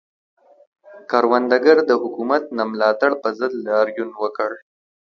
کروندګرو د حکومت د نه ملاتړ پر ضد لاریون وکړ.